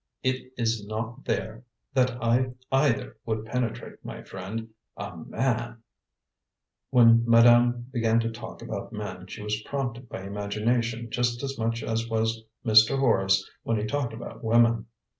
"It is not there that I either would penetrate, my friend. A man " When madame began to talk about men she was prompted by imagination just as much as was Mr. Horace when he talked about women.